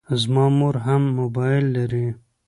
زما مور هم موبایل لري.